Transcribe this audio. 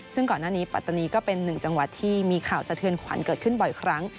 ซึ่งก่อนหน้านี้ปัตตานีก็เป็นหนึ่งจังหวัดที่มีข่าวสะเทือนขวัญเกิดขึ้นบ่อยครั้ง